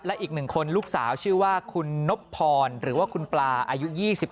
และอีก๑คนลูกสาวชื่อว่าคุณนบพรหรือว่าคุณปลาอายุ๒๓